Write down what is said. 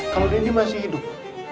kalau nindi masih hidup